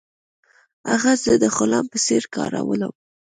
هغه زه د غلام په څیر کارولم.